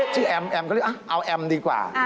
ชื่อแอมก็เรียกเอาแอมดีกว่า